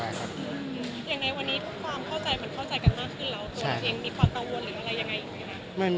อย่างไรวันนี้ทุกความเข้าใจมันเข้าใจกันมากขึ้นแล้ว